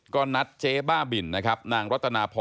ก็นัดเจ๊บ้าบิ่นนางลัตนพร